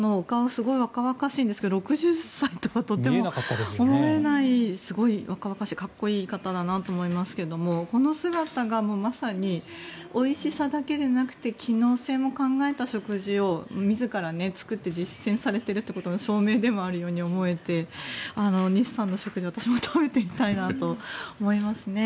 すごく若々しいんですが６０歳とはとても思えないすごい若々しいかっこいい方だなと思いますけどもこの姿がまさにおいしさだけではなくて機能性も考えた食事を自ら作って実践されていることの証明でもあるように思えて西さんの食事、私も食べてみたいなと思いますね。